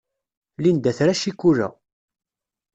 Linda tra ccikula.